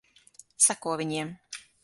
Seko viņiem.